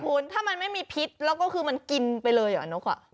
คุณถ้ามันไม่มีพิษแล้วก็คือมันกินไปเลยเหรอนกอ่ะ